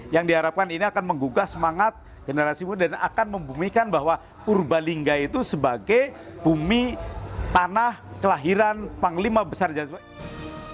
yang diharapkan ini akan menggugah semangat generasi muda dan akan membumikan bahwa purbalingga itu sebagai bumi tanah kelahiran panglima besar jawa timur